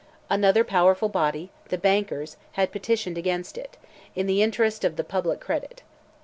Another powerful body, the bankers, had petitioned against it, in the interest of the public credit.